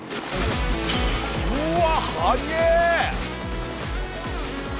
うわっ速え！